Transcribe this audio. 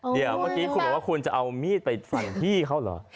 เดี๋ยวเมื่อกี้คุณบอกว่าคุณจะเอามีดไปฝั่งพี่เขาเหรอ